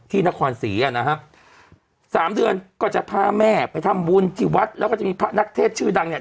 นครศรีอ่ะนะฮะสามเดือนก็จะพาแม่ไปทำบุญที่วัดแล้วก็จะมีพระนักเทศชื่อดังเนี่ย